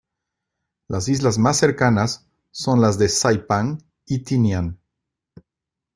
Las islas más cercanas son las de Saipán y Tinian.